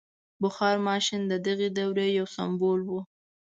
• بخار ماشین د دغې دورې یو سمبول و.